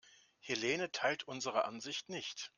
Helene teilt unsere Ansicht nicht.